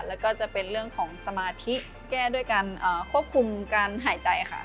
แล้วก็จะเป็นเรื่องของสมาธิแก้ด้วยการควบคุมการหายใจค่ะ